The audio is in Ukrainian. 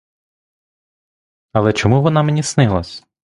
Але чому вона мені снилась?